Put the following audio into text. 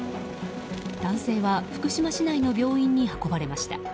男性は福島市内の病院に運ばれました。